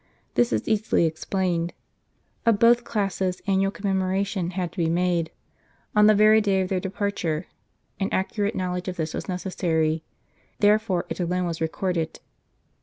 This is easily explained. Of both classes annual commemora tion had to be made, on the very day of their departure ; and accurate knowledge of this was necessary. Therefore it alone was recorded.